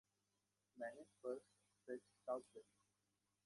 Many spurs stretch southwest.